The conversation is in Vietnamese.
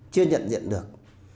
chưa nhận diện được